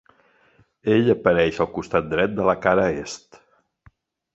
Ell apareix al costat dret de la cara est.